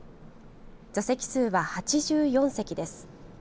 座席数は８４席です。